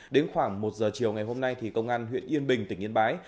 đến khoảng một giờ chiều ngày hôm nay thì công an huyện yên bình tỉnh yên bái